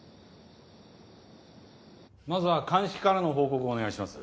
まずは鑑識からの報告お願いします。